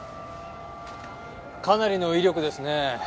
かなりの威力ですねえ。